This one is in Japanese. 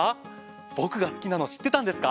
僕が好きなの知ってたんですか？